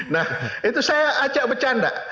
nah itu saya ajak bercanda